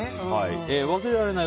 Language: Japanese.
忘れられない